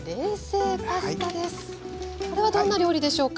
これはどんな料理でしょうか？